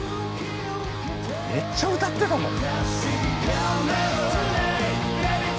めっちゃ歌ってたもん。